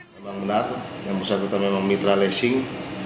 memang benar yang bersangkutan memang mitra lecing